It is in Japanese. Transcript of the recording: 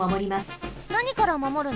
なにからまもるの？